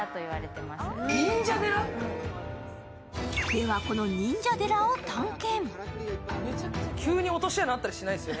では、この忍者寺を探検。